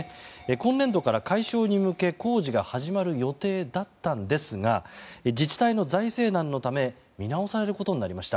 今年度から解消に向け工事が始まる予定でしたが自治体の財政難のため見直されることになりました。